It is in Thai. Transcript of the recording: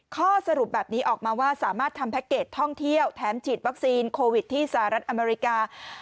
ข้อสรุปแบบนี้ออกมาว่าสามารถทำแพ็คเกจท่องเที่ยวแถมฉีดวัคซีนโควิดที่สหรัฐอเมริกา